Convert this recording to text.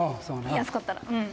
安かったら」